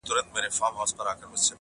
د زلمیتوب شعرونه